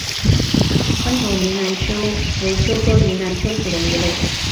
宽头云南鳅为鳅科云南鳅属的鱼类。